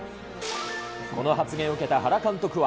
この発言を受けた原監督は。